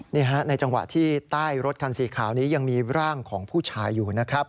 นี่ฮะในจังหวะที่ใต้รถคันสีขาวนี้ยังมีร่างของผู้ชายอยู่นะครับ